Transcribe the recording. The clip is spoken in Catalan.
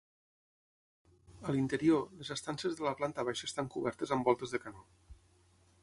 A l'interior, les estances de la planta baixa estan cobertes amb voltes de canó.